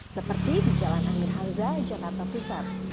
seperti di jalan amir haza jakarta pusat